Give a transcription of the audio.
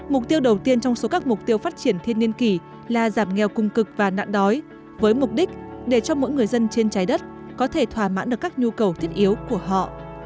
mục tiêu đầu tiên trong số các mục tiêu phát triển thiên niên kỷ là giảm nghèo cung cực và nạn đói với mục đích để cho mỗi người dân trên trái đất có thể thỏa mãn được các nhu cầu thiết yếu của họ